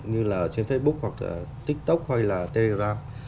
như là trên facebook tiktok hay telegram